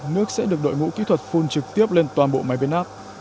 nước sẽ được đội ngũ kỹ thuật phun trực tiếp lên toàn bộ máy bế nắp